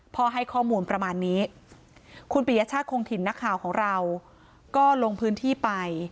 ให้ข้อมูลประมาณนี้คุณปียชาติคงถิ่นนักข่าวของเราก็ลงพื้นที่ไป